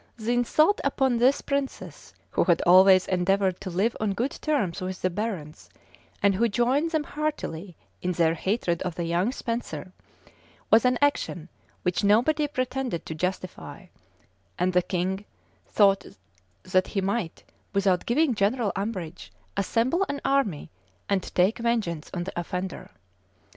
[] The insult upon this princess, who had always endeavored to live on good terms with the barons, and who joined them heartily in their hatred of the young Spenser, was an action which nobody pretended to justify; and the king thought that he might, without giving general umbrage, assemble an army, and take vengeance on the offender.